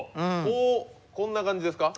こうこんな感じですか？